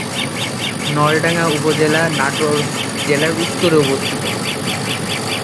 নলডাঙ্গা উপজেলা নাটোর জেলার উত্তরে অবস্থিত।